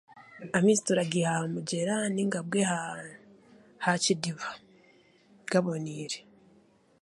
Amaizi turagaiha aha mugyera nainga bwe aha ha kidiba gaboneire